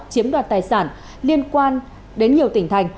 chiếm đoạt tài sản liên quan đến nhiều tỉnh thành